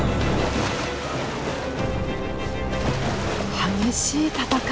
激しい戦い。